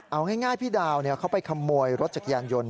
เอาง่ายพี่ดาวเขาไปขโมยรถจักรยานยนต์